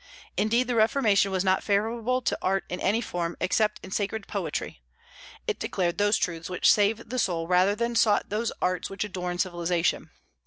Indeed, the Reformation was not favorable to art in any form except in sacred poetry; it declared those truths which save the soul, rather than sought those arts which adorn civilization.